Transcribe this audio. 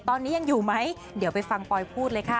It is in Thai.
ตอนนี้ยังอยู่ไหมเดี๋ยวไปฟังปอยพูดเลยค่ะ